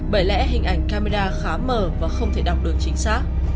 bởi lẽ hình ảnh camera khá mờ và không thể đọc được chính xác